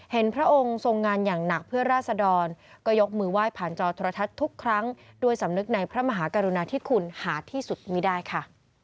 พระองค์ทรงงานอย่างหนักเพื่อราศดรก็ยกมือไหว้ผ่านจอโทรทัศน์ทุกครั้งด้วยสำนึกในพระมหากรุณาธิคุณหาดที่สุดไม่ได้ค่ะ